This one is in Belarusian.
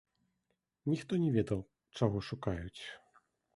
Ніхто не ведаў, чаго шукаюць.